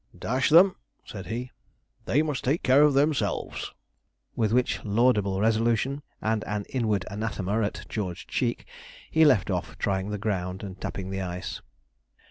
'Dash them!' said he, 'they must just take care of themselves.' With which laudable resolution, and an inward anathema at George Cheek, he left off trying the ground and tapping the ice.